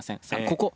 ここ。